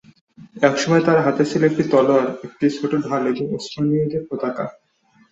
এসময় তার হাতে ছিল একটি তলোয়ার, একটি ছোট ঢাল এবং উসমানীয়দের পতাকা।